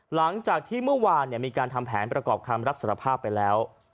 หลังจากที่เมื่อวานมีการทำแผนประกอบคำรับสารภาพไปแล้ว